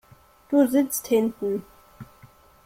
Du sitzt hinten.